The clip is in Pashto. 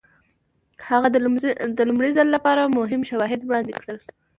هغه د لومړي ځل لپاره مهم شواهد وړاندې کړل.